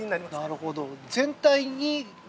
なるほど。